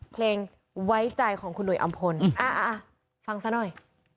เพลงไว้ใจของคุณหุยอำพลฟังซะหน่อย